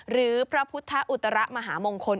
หรือพระพุทธอุตระมหามงคล